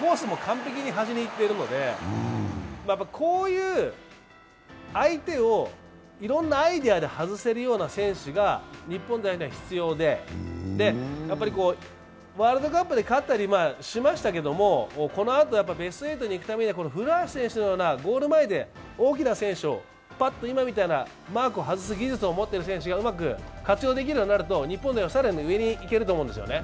コースも完璧にはじに行っているのでこういう相手をいろんなアイデアで外せるような選手が、日本代表には必要でワールドカップで勝ったりしましたけどこのあとベスト８にいくためには古橋選手のようなゴール前で大きな選手をパッと今みたいなマークを外す技術を持ってる選手がうまく活用できるようになると日本も更に上にいけると思うんですね。